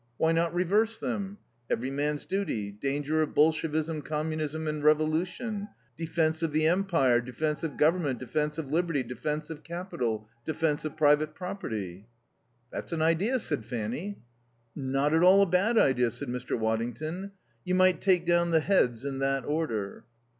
Why not reverse them? Every Man's Duty; Danger of Bolshevism, Communism and Revolution; Defence of the Empire; Defence of Government; Defence of Liberty; Defence of Capital; Defence of Private Property." "That's an idea," said Fanny. "Not at all a bad idea," said Mr. Waddington. "You might take down the heads in that order."